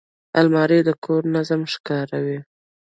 الماري د کور نظم ښکاروي